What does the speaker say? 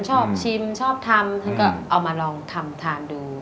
ชอบชิมชอบทำท่านก็เอามาลองทำทานดู